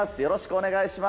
お願いします。